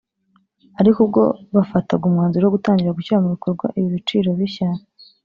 Ariko ubwo bafataga umwanzuro wo gutangira gushyira mu bikorwa ibi biciro bishya